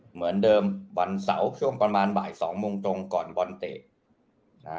เหมือนเดิมวันเสาร์ช่วงประมาณบ่ายสองโมงตรงก่อนบอลเตะ